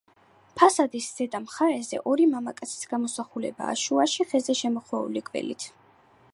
ფასადის ზედა მხარეზე ორი მამაკაცის გამოსახულებაა შუაში ხეზე შემოხვეული გველით.